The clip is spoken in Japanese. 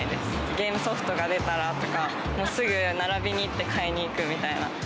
ゲームソフトが出たらとか、もうすぐ並びに行って買いに行くみたいな。